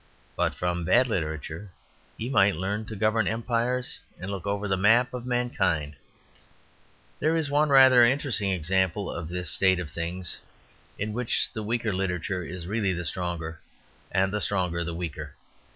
But from bad literature he might learn to govern empires and look over the map of mankind. There is one rather interesting example of this state of things in which the weaker literature is really the stronger and the stronger the weaker.